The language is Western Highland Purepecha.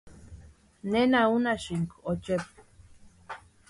¿Nena únhasïnki ochepu?